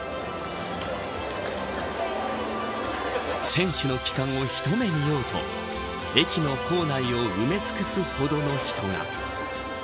選手の帰還を一目見ようと駅の構内を埋め尽くすほどの人が。